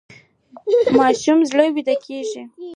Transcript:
ماشوم ژر ویده کیږي.